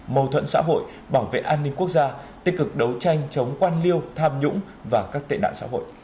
mâu thuẫn xã hội bảo vệ an ninh quốc gia tích cực đấu tranh chống quan liêu tham nhũng và các tệ nạn xã hội